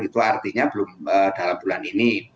itu artinya belum dalam bulan ini